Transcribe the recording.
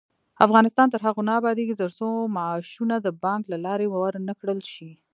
افغانستان تر هغو نه ابادیږي، ترڅو معاشونه د بانک له لارې ورنکړل شي.